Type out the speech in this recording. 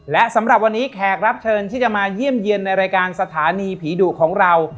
และสำหรับวันนี้แขกรับเชิญที่จะมาเยี่ยมเยี่ยมในรายการสถานีผีดุของเรา